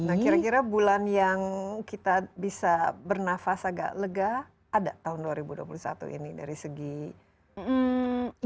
nah kira kira bulan yang kita bisa bernafas agak lega ada tahun dua ribu dua puluh satu ini dari segi investasi